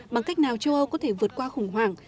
bằng cách nào châu âu có thể vượt qua khủng hoảng